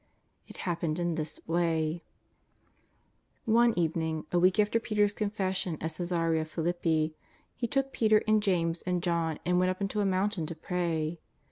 It happened in this way: One evening, a week after Peter's confession at Csesarea Philippi, He took Peter and James and John and went up into a mountain to pray.